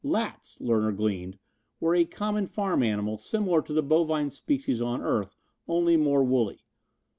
Lats, Larner gleaned, were a common farm animal similar to the bovine species on earth, only more wooly.